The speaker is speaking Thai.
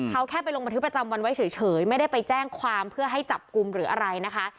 เขาแค่ไปลงบันทึกประจำวันไว้เฉยไม่ได้ไปแจ้งความเพื่อให้จับกลุ่มหรืออะไรนะคะ